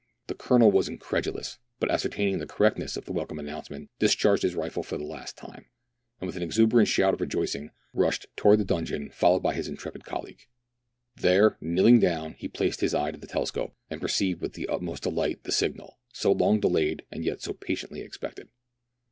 The Colonel was incredulous, but ascertaining the cor rectness of the welcome announcement, discharged his rifle for the last time, and with an exuberant shout of rejoicing, rushed towards the donjon, followed by his intrepid colleague. There, kneeling down, he place4 his ey€ to the telescope, and perceived with the utmost delight the signal, so long delayed and yet so patiently expected.